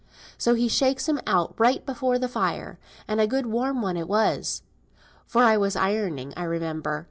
So he shakes him out right before the fire; and a good warm one it was, for I was ironing, I remember.